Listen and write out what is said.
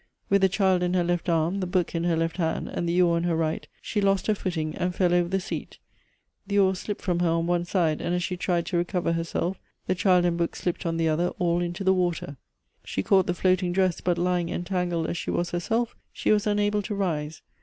With the child in her left arm, the book in her left hand, and the oar in her right, she lost her footing, and fell over the seat ; the oar slipped from her on one side, and as she tried to recover herself, the child and book slipped on the other, all into the water. She caught the floating dress, but lying entangled as she was herself, she was unable to rise.